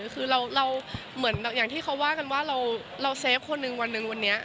คือเราเหมือนอย่างที่เขาว่ากันว่าเราเซฟคนหนึ่งวันหนึ่งวันนี้